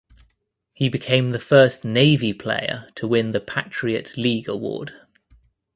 He became the first Navy player to win the Patriot League award.